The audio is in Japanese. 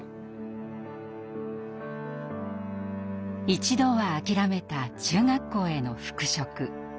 一度は諦めた中学校への復職。